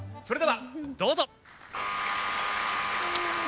それではどうぞ。